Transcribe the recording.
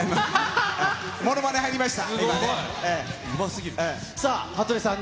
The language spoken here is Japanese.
ものまね入りました。